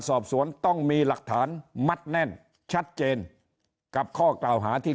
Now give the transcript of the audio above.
สอบสวนต้องมีหลักฐานมัดแน่นชัดเจนกับข้อกล่าวหาที่